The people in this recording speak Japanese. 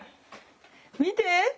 見て！